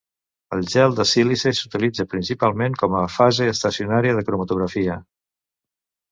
El gel de sílice s'utilitza principalment com a fase estacionària de cromatografia.